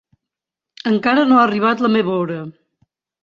Encara no ha arribat la meva hora.